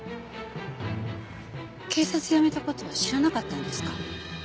警察辞めた事は知らなかったんですか？